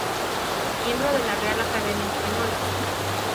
Miembro de la Real Academia Española.